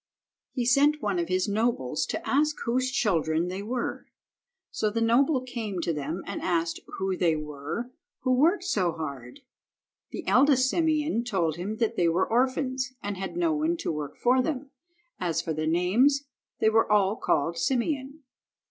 He sent one of his nobles to ask whose children they were. So the noble came to them and asked who they were who worked so hard. The eldest Simeon told him that they were orphans and had no one to work for them. As for their names they were all called Simeon.